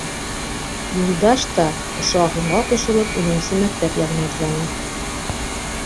Юлдаш та, ошо ағымға ҡушылып, унынсы мәктәп яғына атланы.